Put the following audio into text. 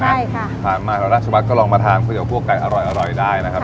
ใช่ค่ะมารัชบัตรก็ลองมาทานเพื่อจะกลัวไก่อร่อยอร่อยได้นะครับ